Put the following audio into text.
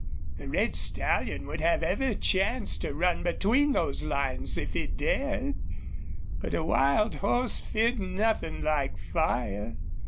The red stallion would have every chance to run between those lines, if he dared. But a wild horse feared nothing like fire.